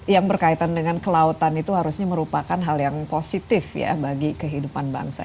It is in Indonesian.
yang berkaitan dengan kelautan itu harusnya merupakan hal yang positif ya bagi kehidupan bangsa